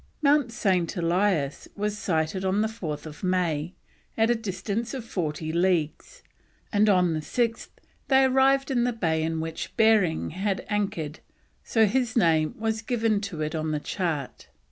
Mount St. Elias was sighted 4th May, at a distance of forty leagues, and on the 6th they arrived in the bay in which Behring had anchored, so his name was given to it on the chart.